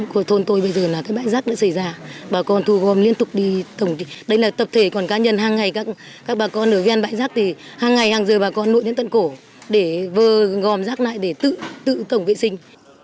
của thôn tôi bây giờ là cái bãi rác đã xảy ra bà con thu gom liên tục đi đây là tập thể còn cá nhân hàng ngày các bà con ở gen bãi rác thì hàng ngày hàng giờ bà con lụi đến tận cổ để vơ gom rác lại để tự tổng vệ sinh